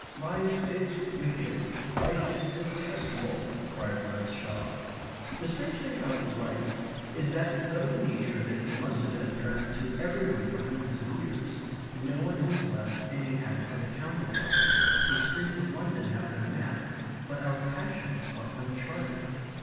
"Life is wicked life is detestable," cried Rose Shaw. The strange thing about life is that though the nature of it must have been apparent to every one for hundreds of years, no one has left any adequate account of it. The streets of London have their map; but our passions are uncharted.